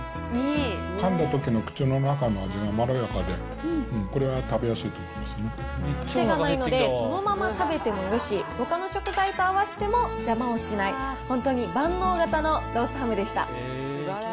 かんだときの口の中の味がまろやかで、癖がないので、そのまま食べてもよし、ほかの食材と合わせても邪魔をしない、本当に万能型のロースハムでした。